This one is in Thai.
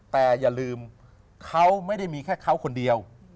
แต่อย่าลืมเขาไม่ได้มีแค่เขาคนเดียว